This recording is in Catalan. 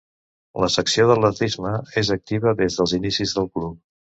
La secció d'atletisme és activa des dels inicis del club.